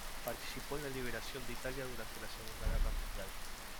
Participó en la liberación de Italia durante la Segunda Guerra Mundial.